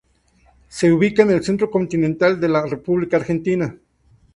Se ubica en el centro continental de la República Argentina.